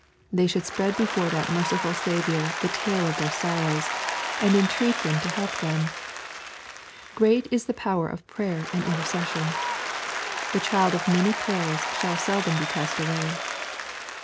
They should spread before that merciful Saviour the tale of their sorrows, and entreat Him to help them. Great is the power of prayer and inter cession I The child of many prayers shall seldom be cast away.